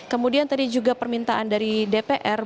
kemudian tadi juga permintaan dari dpr